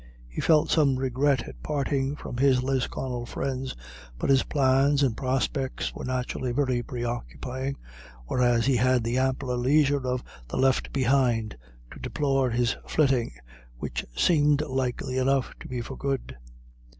He felt some regret at parting from his Lisconnel friends, but his plans and prospects were naturally very pre occupying, whereas they had the ampler leisure of the left behind to deplore his flitting, which seemed likely enough to be for good.